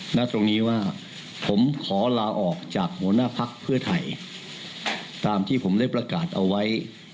ณตรงนี้ว่าผมขอลาออกจากหัวหน้าพักเพื่อไทยตามที่ผมได้ประกาศเอาไว้